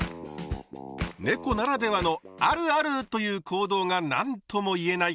ねこならではの「あるある！」という行動が何とも言えない